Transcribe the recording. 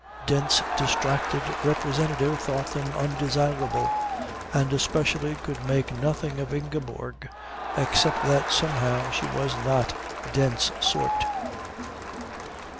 Even Mr. Ascough, Dent's distracted representative, thought them undesirable, and especially could make nothing of Ingeborg, except that somehow she was not Dent's sort.